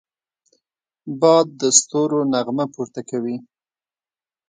باد د ستورو نغمه پورته کوي